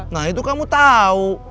nah itu kamu tau